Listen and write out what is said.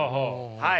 はい。